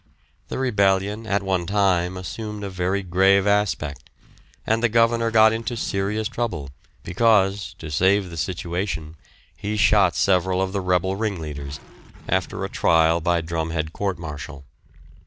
The rebellion at one time assumed a very grave aspect, and the governor got into serious trouble, because, to save the situation, he shot several of the rebel ringleaders, after a trial by drumhead court martial.